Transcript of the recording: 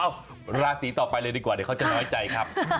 ราศีต่อไปเลยดีกว่าเดี๋ยวเขาจะน้อยใจครับ